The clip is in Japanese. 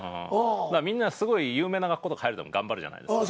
みんなすごい有名な学校とか入るのに頑張るじゃないですか。